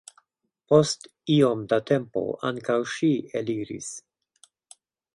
Post iom da tempo ankaŭ ŝi eliris.